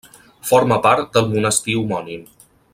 Forma part del monestir homònim.